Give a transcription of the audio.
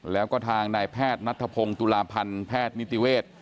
แล้วก็ทางนายแพทย์นัทธพงศ์ตุลาพันธ์แพทย์นิติเวศ